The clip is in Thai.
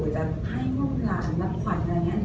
แต่ไม่รู้จะอยากไปทำงานด้วย